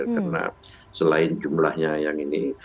karena selain jumlahnya yang ini